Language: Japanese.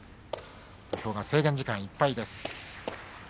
土俵は制限時間いっぱいです。